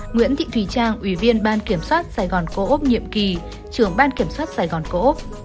nguyễn thị thùy trang ủy viên ban kiểm soát sài gòn cổ úc nhiệm kỳ trưởng ban kiểm soát sài gòn cổ úc